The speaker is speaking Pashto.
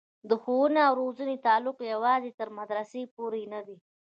د ښوونې او روزنې تعلق یوازې تر مدرسې پورې نه دی.